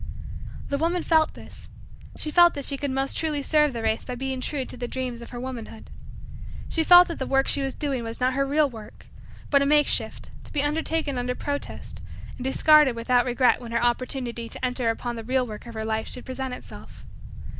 The woman felt this she felt that she could most truly serve the race by being true to the dreams of her womanhood. She felt that the work she was doing was not her real work but a makeshift to be undertaken under protest and discarded without regret when her opportunity to enter upon the real work of her life should present itself.